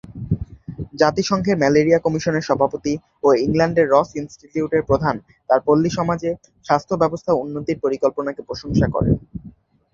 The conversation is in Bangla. জাতিসংঘের ম্যালেরিয়া কমিশনের সভাপতি ও ইংল্যান্ডের রস ইনস্টিটিউটের প্রধান তার পল্লী সমাজে স্বাস্থ্য ব্যবস্থা উন্নতির পরিকল্পনাকে প্রশংসা করেন।